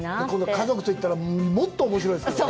家族と行ったら、もっとおもしろいですからね。